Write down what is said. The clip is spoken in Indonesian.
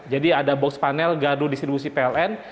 jadi ada box panel gaduh distribusi pln